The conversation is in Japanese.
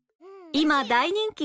今大人気